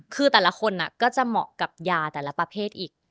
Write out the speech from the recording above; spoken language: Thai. คือแต่ละคนก็จะเหมาะกับยาแต่ละประเภทอีก